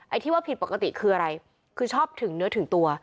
ไอ้ที่ว่าผิดปกติคืออะไร